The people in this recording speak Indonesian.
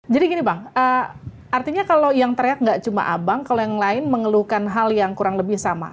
jadi gini bang artinya kalau yang teriak nggak cuma abang kalau yang lain mengeluhkan hal yang kurang lebih sama